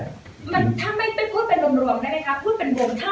มันถ้าไม่พูดเป็นรวมได้ไหมคะพูดเป็นวงเท่า